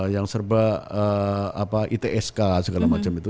yang serba itsk segala macam itu